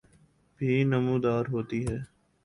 بھی نمودار ہوتی ہیں